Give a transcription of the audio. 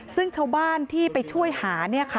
ซึ่งชาวบ้านที่ไปช่วยหา